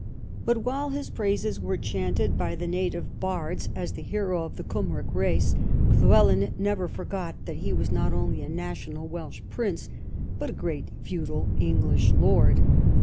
But while his praises were chanted by the native bards as the hero of the Cymric race, Llywelyn never forgot that he was not only a national Welsh prince but a great feudal English lord.